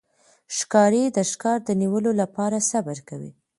ښکاري د ښکار د نیولو لپاره صبر کوي.